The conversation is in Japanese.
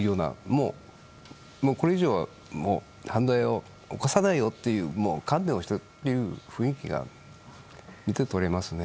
もう、これ以上は犯罪を犯さないよというふうに観念をしたという雰囲気が見て取れますね。